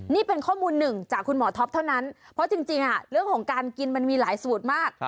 นี่เป็นข้อมูลหนึ่งจากคุณหมอท็อปเท่านั้นเพราะจริงเรื่องของการกินมันมีหลายสูตรมาก